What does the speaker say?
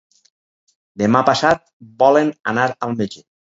Demà passat volen anar al metge.